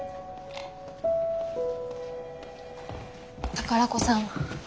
宝子さん。